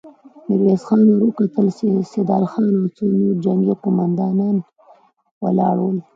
ميرويس خان ور وکتل، سيدال خان او څو نور جنګي قوماندان ولاړ ول.